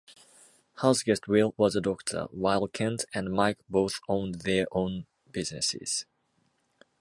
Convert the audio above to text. HouseGuest Will was a doctor, while Kent and Mike both owned their own businesses.